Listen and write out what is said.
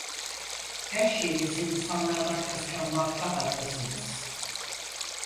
Her şeyinizi insanlardan kıskanmakta haklısınız.